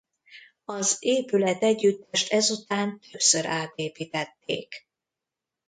Az épületegyüttest ezután többször átépítették.